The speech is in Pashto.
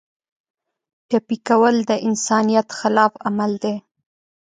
ټپي کول د انسانیت خلاف عمل دی.